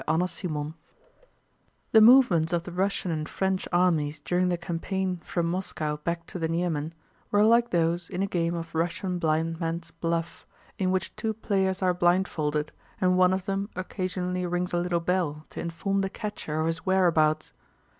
CHAPTER XVII The movements of the Russian and French armies during the campaign from Moscow back to the Niemen were like those in a game of Russian blindman's buff, in which two players are blindfolded and one of them occasionally rings a little bell to inform the catcher of his whereabouts.